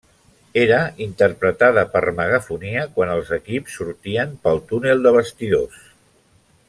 Era interpretada per megafonia quan els equips sortien pel túnel de vestidors.